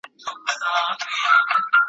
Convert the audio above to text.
ستا له وېشه مي زړه شین دی له تش جامه `